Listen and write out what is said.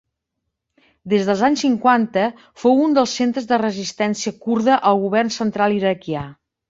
Des dels anys cinquanta fou un dels centres de resistència kurda al govern central iraquià.